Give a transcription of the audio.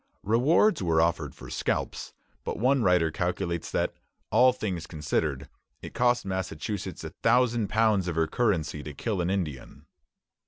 Rewards were offered for scalps; but one writer calculates that, all things considered, it cost Massachusetts a thousand pounds of her currency to kill an Indian.